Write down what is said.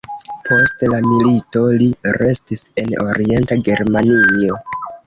Post la milito li restis en Orienta Germanio.